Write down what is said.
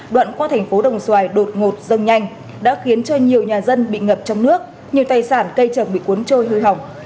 đoạn qua thành phố đồng xoài đột ngột dâng nhanh đã khiến cho nhiều nhà dân bị ngập trong nước nhiều tài sản cây trồng bị cuốn trôi hư hỏng